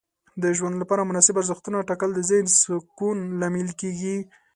د ژوند لپاره مناسب ارزښتونه ټاکل د ذهن سکون لامل کیږي.